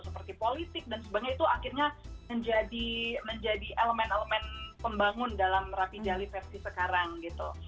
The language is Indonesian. seperti politik dan sebagainya itu akhirnya menjadi elemen elemen pembangun dalam rapi jali versi sekarang gitu